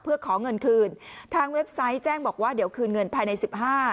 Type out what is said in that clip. เพื่อขอเงินคืนทางเว็บไซต์แจ้งบอกว่าเดี๋ยวคืนเงินภายในสิบห้า